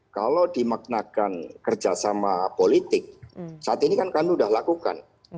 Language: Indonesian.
kalau dimaknakan kerjasama politik saat ini kan kami sudah lakukan